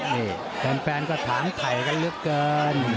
นี่แฟนก็ทางไถกันลืกเกิน